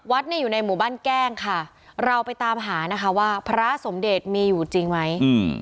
เนี่ยอยู่ในหมู่บ้านแกล้งค่ะเราไปตามหานะคะว่าพระสมเดชมีอยู่จริงไหมอืม